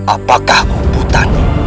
apakah aku buta